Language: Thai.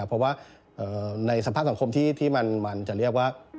เพราะว่าในสภาพสังคมที่มันจะเรียกว่า